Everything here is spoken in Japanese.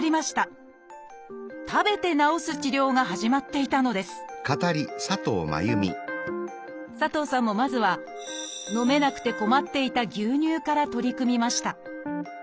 食べて治す治療が始まっていたのです佐藤さんもまずは飲めなくて困っていた牛乳から取り組みました。